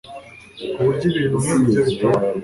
ku buryo ibintu nk'ibyo bitabaho